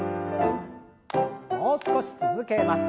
もう少し続けます。